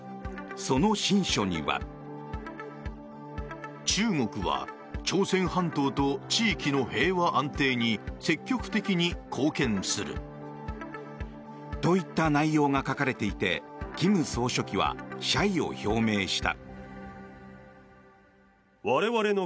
その親書には。といった内容が書かれていて金総書記は謝意を表明した。